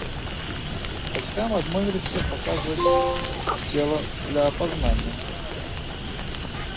Бацькам адмовіліся паказваць цела для апазнання.